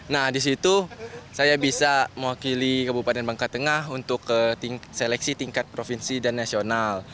nah di situ saya bisa mewakili kabupaten bangka tengah untuk seleksi tingkat provinsi dan nasional